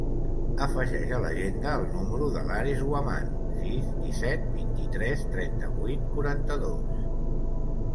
Afegeix a l'agenda el número de l'Ares Huaman: sis, disset, vint-i-tres, trenta-vuit, quaranta-dos.